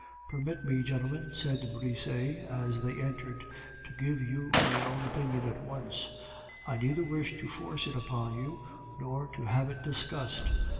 "Permit me, gentlemen," said Brisset, as they entered, "to give you my own opinion at once. I neither wish to force it upon you nor to have it discussed.